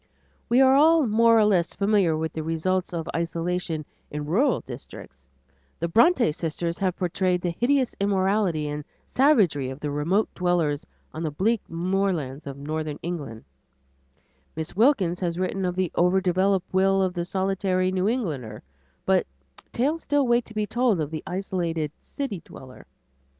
We are all more or less familiar with the results of isolation in rural districts; the Bronte sisters have portrayed the hideous immorality and savagery of the remote dwellers on the bleak moorlands of northern England; Miss Wilkins has written of the overdeveloped will of the solitary New Englander; but tales still wait to be told of the isolated city dweller.